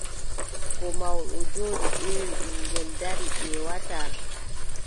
Ko mawɗo jooɗi ƴeewi, ɓiŋngel darii ƴeewataa.